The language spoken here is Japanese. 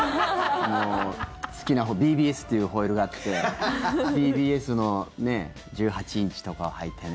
好きなＢＢＳっていうホイールがあってＢＢＳの１８インチとかを履いてね。